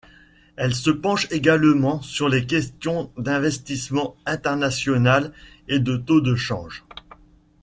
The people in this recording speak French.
Elle se penche également sur les questions d'investissement international et de taux de change.